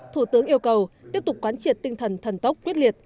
thủ tướng yêu cầu tiếp tục quán triệt tinh thần thần tốc quyết liệt